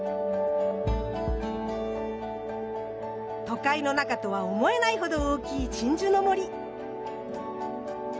都会の中とは思えないほど大きい鎮守の森。